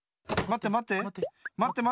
まってまって。